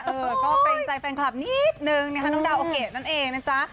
เออก็เกรงใจแฟนคลับนิดนึงนะคะน้องดาวโอเกะนั่นเองนะจ๊ะ